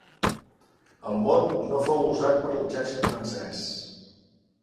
El mot no fou usat per l'exèrcit francès.